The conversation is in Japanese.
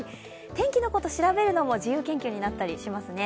天気のこと、調べるのも自由研究になったりしますね。